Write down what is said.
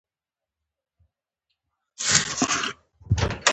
موږ لومړی د طلایي ګنبدې یا قبة الصخره خوا ته ولاړو.